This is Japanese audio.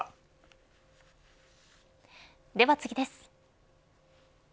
では次です。